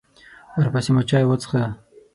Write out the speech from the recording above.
ورپسې مو چای وڅښه.